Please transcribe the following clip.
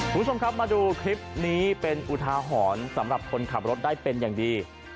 คุณผู้ชมครับมาดูคลิปนี้เป็นอุทาหรณ์สำหรับคนขับรถได้เป็นอย่างดี